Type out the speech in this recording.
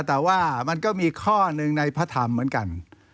แต่ว่ามันก็มีข้อหนึ่งในพระธรรมเหมือนกัน